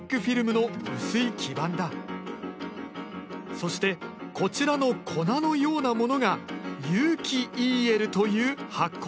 そしてこちらの粉のようなものが有機ＥＬという発光体。